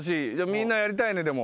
みんなやりたいねでも。